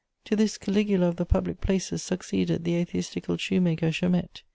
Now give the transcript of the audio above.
To this Caligula of the public places succeeded the atheistical shoemaker Chaumette.